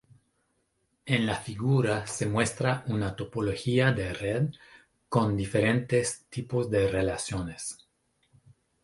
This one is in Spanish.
En la figura se muestra una topología de red con diferentes tipos de relaciones.